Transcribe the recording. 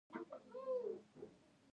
فضل حق شېدا د پلار نوم عبدالصمد خان وۀ